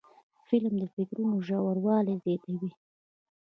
فلم د فکر ژوروالی زیاتوي